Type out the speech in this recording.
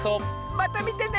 またみてね！